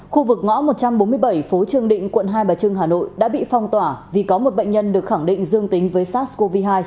khu vực ngõ một trăm bốn mươi bảy phố trương định quận hai bà trưng hà nội đã bị phong tỏa vì có một bệnh nhân được khẳng định dương tính với sars cov hai